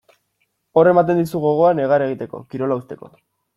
Hor ematen dizu gogoa negar egiteko, kirola uzteko.